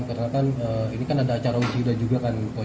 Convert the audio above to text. karena ini kan ada acara wisuda juga kan po